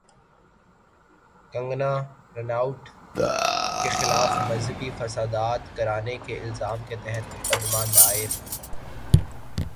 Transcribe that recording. کنگنا رناوٹ کے خلاف مذہبی فسادات کرانے کے الزام کے تحت مقدمہ دائر